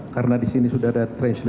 karena di sini sudah ada threshold